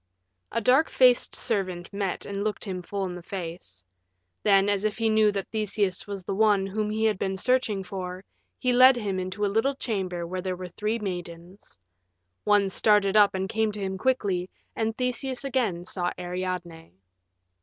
A dark faced servant met and looked him full in the face. Then, as if he knew that Theseus was the one whom he had been searching for, he led him into a little chamber where there were three maidens. One started up and came to him quickly, and Theseus again saw Ariadne.